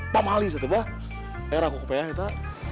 pamali saya tuh bah era kukupaya kita